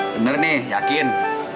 bener nih yakin